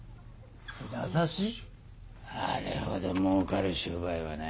あれほどもうかる商売はない。